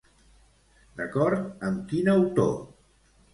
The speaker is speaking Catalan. D'acord amb quin autor?